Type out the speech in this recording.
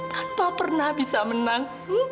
tanpa pernah bisa menang